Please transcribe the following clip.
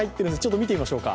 見てみましょうか。